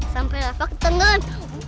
sampai rafa ketenggan